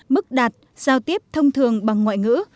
mức đạt giao tiếp thông thường bằng ngoại ngữ